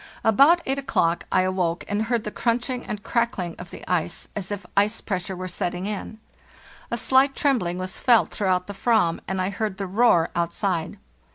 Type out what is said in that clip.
About 8 o'clock I awoke, and heard the crunching and crackling of the ice, as if ice pressure were setting in. <A slight trembling was felt throughout the /vam, and I heard the roar outside.